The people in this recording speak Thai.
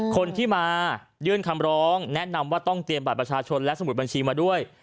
คนที่มายื่นคำร้องแนะนำว่าต้องเตรียมบัตรประชาชนและสมุดบัญชีมาด้วย